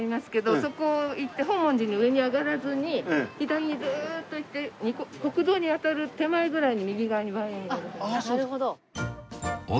そこを行って本門寺に上に上がらずに左へずーっと行って国道に当たる手前ぐらいに右側に梅園があります。